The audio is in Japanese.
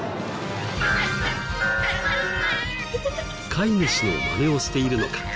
飼い主のマネをしているのか？